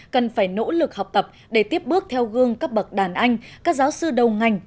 cần phải nỗ lực học tập để tiếp bước theo gương các bậc đàn anh các giáo sư đầu ngành